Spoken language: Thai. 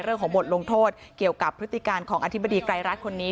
เรื่องของบทลงโทษเกี่ยวกับพฤติการของอธิบดีไกรรัฐคนนี้